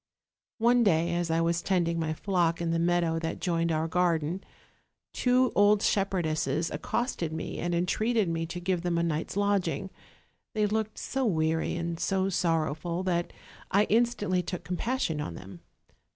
"One day as I was tending my flock in the meadow that joined our garden two old shepherdesses accosted me, and entreated me to give them a night's lodging: they looked so weary and so sorrowful that I instantly took compassion on them.